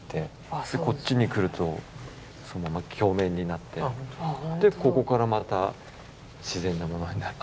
でこっちに来るとそのまま鏡面になってでここからまた自然なものになって。